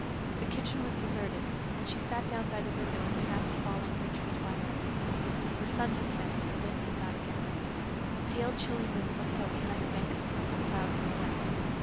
The kitchen was deserted and she sat down by the window in the fast falling wintry twilight. The sun had set and the wind had died down. A pale chilly moon looked out behind a bank of purple clouds in the west.